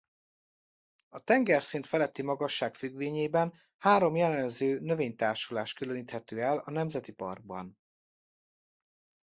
A tengerszint feletti magasság függvényében három jellemző növénytársulás különíthető el a nemzeti parkban.